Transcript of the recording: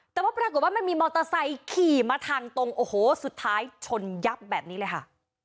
แต่ว่าปรากฏว่ามันมีมอเตอร์ไซค์ขี่มาทางตรงโอ้โหสุดท้ายชนยับแบบนี้เลยค่ะ